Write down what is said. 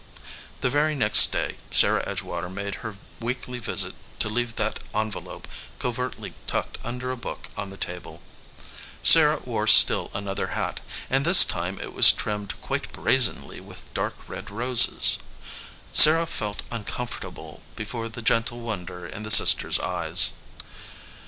The very next day Sarah Edgewater made her weekly visit to leave that envelope covertly tucked under a book on the table. Sarah wore still another hat, and this time it was trimmed quite brazenly with dark red roses. Sarah felt uncomfortable before the gentle wonder in the sisters* eyes.